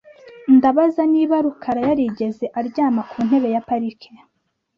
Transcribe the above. Ndabaza niba rukara yarigeze aryama ku ntebe ya parike .